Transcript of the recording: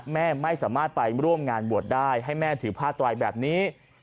แม่ไม่สามารถไปร่วมงานบวชได้ให้แม่ถือผ้าไตรแบบนี้